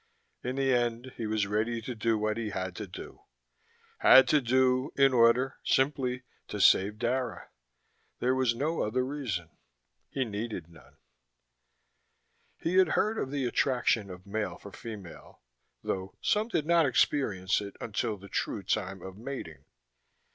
In the end he was ready to do what he had to do had to do in order, simply, to save Dara. There was no other reason: he needed none. He had heard of the attraction of male for female, though some did not experience it until the true time of mating.